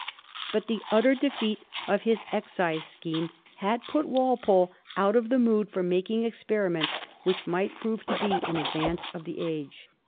But the utter defeat of his excise scheme had put Walpole out of the mood for making experiments which might prove to be in advance of the age.